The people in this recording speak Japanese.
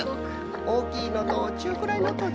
おおきいのとちゅうくらいのとちいさいの。